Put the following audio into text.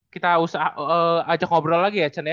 kita ajak ngobrol lagi ya cen ya